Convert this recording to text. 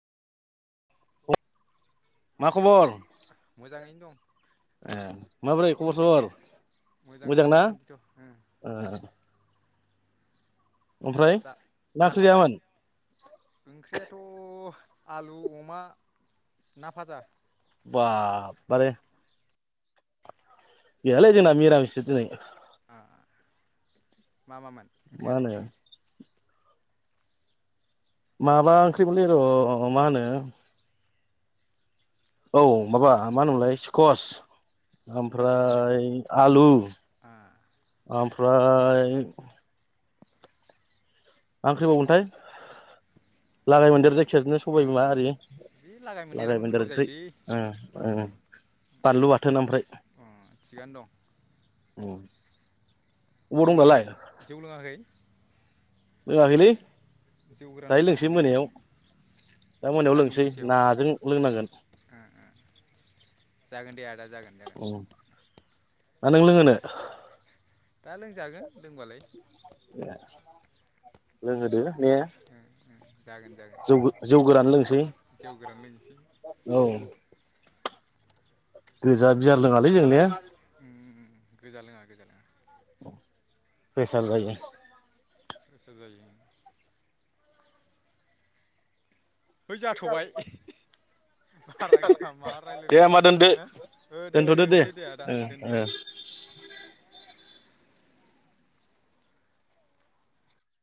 मा खबर मोजाङैनो दं एह माबोरै खबर सबर मोजांथ' मोजां ना दासान्दिथ' ओं ओ? ओमफ्राय जा मा ओंख्रि जाखांबाय जायामोन ओंख्रियाथ' आलु अमा ना फाजा। बा बारे। गैयालै नोंस जोंना मिरामिससो दिनै मामामोन मा होनो ओंख्रियालाय? माबा ओंख्रिमोनलै र' मा होनो? औ माबा मा होनोमोनलाय स्कस सुखासजों माजों ओमफ्राय आलु आ ओम ओमफ्राय मा ओंख्रिबावमोनथाय लागाय मोनदेर जाय सबाय ओं बिमा ओं आरि बे लागाय मोनदेरानो लगाय गोथाव मोनदेर ओंख्रि जायोलै उम्म उम्म बानलु बाथोन ओमफ्राय। अ थिगानो दं। औ। जौ लोंङाखै जौ लोंङाखै? लोंङाखैलै। जौ गोरान लोंनांगौलै दा मोनायाव सान्दुं लोंसै गोसायाव नाजों लोंनांगोन जागोन दे आदा जागोन जागोन। उम ना नों लोंहोनो? दा लोंजागोन लोंबालाय ए लोंहोदों। ने ओं ओं जागोन जागोन जौ जौ। गोरान लोंसै। जौ गोरान लोंसै। औ गोजा बियार लोङालै जों ने। गोजा लोङा गोजा लोङा। फ्रेसार जायो। फ्रेसार जायो औ। हैइ जाथ'बाय बारा गैया मा दे होमबा दोनदो राय्लायनाङा हो दे दे दोनसै दे आदा ओ ओ दोनसै।